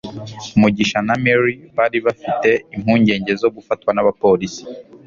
mugisha na mary bari bafite impungenge zo gufatwa n'abapolisi